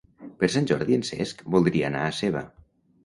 Per Sant Jordi en Cesc voldria anar a Seva.